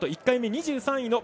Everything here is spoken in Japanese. １回目、２３位。